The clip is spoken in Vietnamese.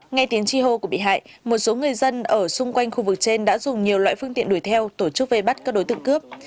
nghe tiếng chi hô của bị hại một số người dân ở xung quanh khu vực trên đã dùng nhiều loại phương tiện đuổi theo tổ chức vây bắt các đối tượng cướp